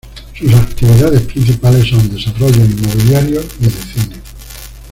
Sus actividades principales son desarrollos inmobiliarios y de cine.